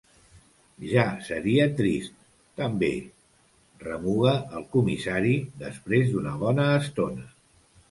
Ja seria trist, també —remuga el comissari, després d'una bona estona.